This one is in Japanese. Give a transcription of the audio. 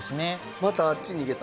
またあっち逃げた。